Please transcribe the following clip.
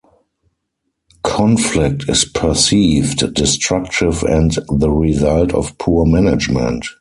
Conflict is perceived destructive and the result of poor management.